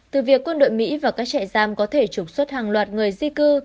từ việc quân đội mỹ và các trại giam có thể trục xuất hàng loạt người di cư